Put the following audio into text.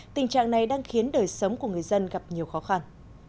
tình trạng này đang khiến đời sống của người dân gặp nhiều khó khăn